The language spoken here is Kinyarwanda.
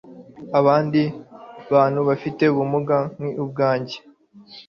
abandi bantu bafite ubumuga nk'ubwanjye